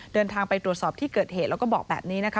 เดินทางไปตรวจสอบที่เกิดเหตุแล้วก็บอกแบบนี้นะคะ